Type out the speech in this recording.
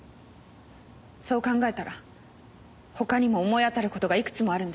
そう考えたら他にも思い当たる事がいくつもあるんです。